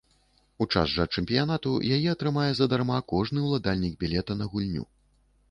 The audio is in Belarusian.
У час жа чэмпіянату яе атрымае задарма кожны ўладальнік білета на гульню.